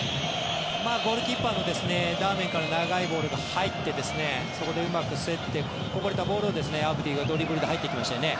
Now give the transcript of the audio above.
ゴールキーパーのダーメンから長いボールが入ってそこでうまく競ってこぼれたボールをアブディがドリブルで入ってきましたよね。